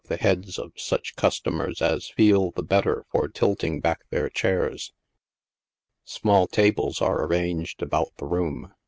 the heads of such customers as feel the better for tilting back their chairs. Small tables are arranged about the room.